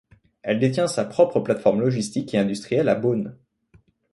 Elle détient sa propre plateforme logistique et industrielle à Beaune.